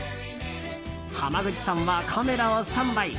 濱口さんはカメラをスタンバイ。